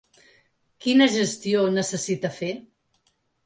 Quina gestió necessita fer?